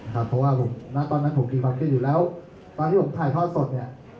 ครับเพราะว่าผมณตอนนั้นผมมีความเครียดอยู่แล้วตอนที่ผมถ่ายทอดสดเนี้ย